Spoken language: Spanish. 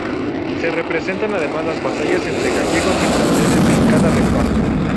Se representan además las batallas entre gallegos y franceses en cada rincón.